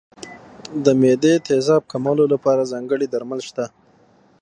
د معدې تېزاب کمولو لپاره ځانګړي درمل شته.